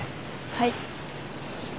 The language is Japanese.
はい。